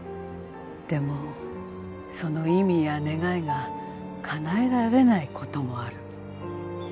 でもその意味や願いがかなえられない事もある。